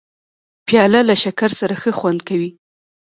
پیاله له شکر سره ښه خوند کوي.